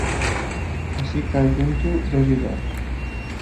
Així que ajunto dos i dos.